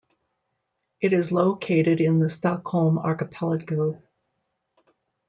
It is located in the Stockholm archipelago.